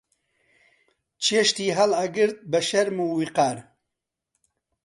چێشتی هەڵئەگرت بە شەرم و ویقار